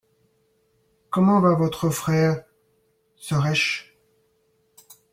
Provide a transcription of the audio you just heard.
Comment va votre frère Suresh ?